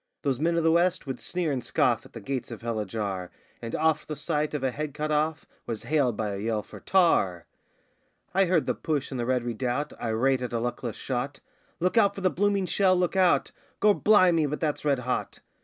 Those men of the West would sneer and scoff at the gates of hell ajar, And oft the sight of a head cut off was hailed by a yell for 'Tar!' I heard the push in the Red Redoubt, irate at a luckless shot: 'Look out for the blooming shell, look out!' 'Gor' bli' me, but that's red hot!